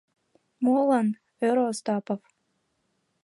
— Молан? — ӧрӧ Остапов.